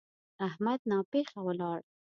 احمد ناپېښه ولاړ.